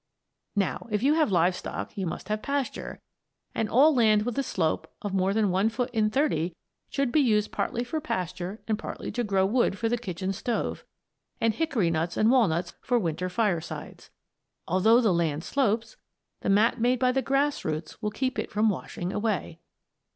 Now, if you have live stock you must have pasture, and all land with a slope of more than one foot in thirty should be used partly for pasture and partly to grow wood for the kitchen stove, and hickory nuts and walnuts for winter firesides. Although the land slopes, the mat made by the grass roots will keep it from washing away.